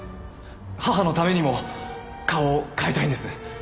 母のためにも顔を変えたいんです！